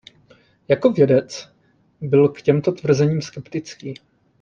Jako vědec byl k těmto tvrzením skeptický.